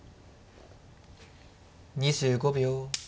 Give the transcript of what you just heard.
２５秒。